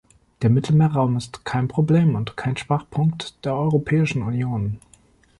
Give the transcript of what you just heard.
Der Mittelmeerraum ist kein Problem und kein Schwachpunkt der Europäischen Union.